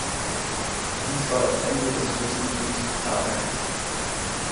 Dies war das Ende des Fürstentums Tarent.